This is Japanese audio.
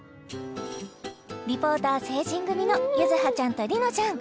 リポーター成人組の柚葉ちゃんと璃乃ちゃん